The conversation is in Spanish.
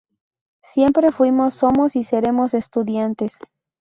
Siempre fuimos, somos y seremos Estudiantes.